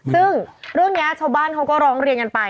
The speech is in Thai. ซึ่งเรื่องนี้ชาวบ้านเขาก็ร้องเรียนกันไป